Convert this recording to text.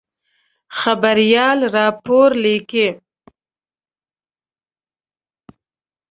خبریال راپور لیکي.